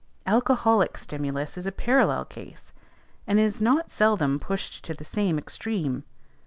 Alcoholic stimulus is a parallel case, and is not seldom pushed to the same extreme.